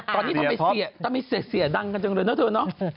ตอนนี้ทำไมเสียดังกันจริงนะทุกคน